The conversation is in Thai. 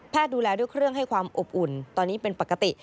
ดูแลด้วยเครื่องให้ความอบอุ่นตอนนี้เป็นปกติ